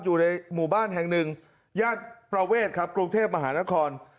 อยู่ในหมู่บ้านแห่งหนึ่งย่านประเวทครับกรุงเทพมหานคร